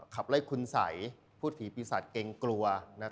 ขับไล่คุณสัยพูดผีปีศาจเกรงกลัว